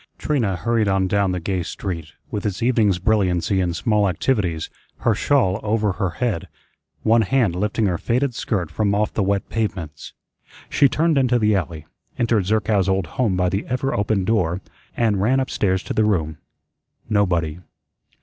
Trina hurried on down the gay street, with its evening's brilliancy and small activities, her shawl over her head, one hand lifting her faded skirt from off the wet pavements. She turned into the alley, entered Zerkow's old home by the ever open door, and ran up stairs to the room. Nobody.